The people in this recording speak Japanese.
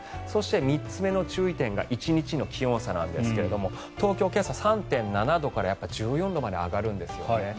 そして３つ目の注意点が１日の気温差なんですけど東京、今朝３．７度から１４度まで上がるんですよね。